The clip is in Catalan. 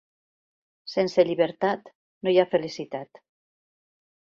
Sense llibertat no hi ha felicitat.